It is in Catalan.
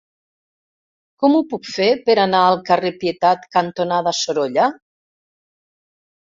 Com ho puc fer per anar al carrer Pietat cantonada Sorolla?